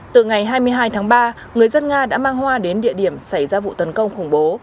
từ ngày hai mươi hai tháng ba người dân nga đã mang hoa đến địa điểm xảy ra vụ tấn công khủng bố